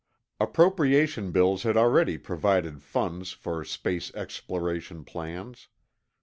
Appropriation bills had already provided funds for space exploration plans.